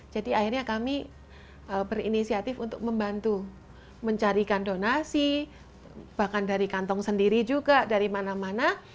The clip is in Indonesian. akhirnya kami berinisiatif untuk membantu mencarikan donasi bahkan dari kantong sendiri juga dari mana mana